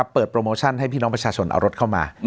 โปรโมชั่นให้พี่น้องประชาชนเอารถเข้ามา